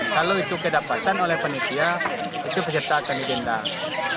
kalau itu kedapatan oleh penelitian itu peserta akan dibenarkan